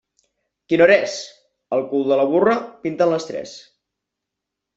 Quina hora és? Al cul de la burra pinten les tres.